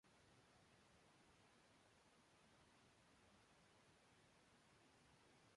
Der is in soad ûnrêst ûnder bewenners en personiel.